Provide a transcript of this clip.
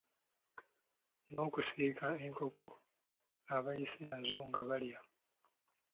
N’okusiika enkoko abayise nazo nga balya.